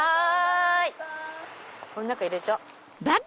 この中入れちゃお。